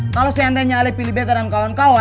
kalau seandainya alih pilih betta dan kawan kawan